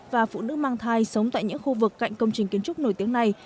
và phụ nữ mang thai sống tại những khu vực cạnh công trình kiến trúc nổi tiếng này